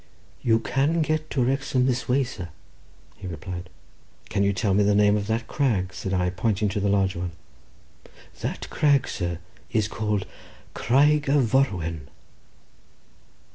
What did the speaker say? "You can get to Wrexham this way, sir," he replied. "Can you tell me the name of that crag?" said I, pointing to the large one. "That crag, sir, is called Craig y Forwyn."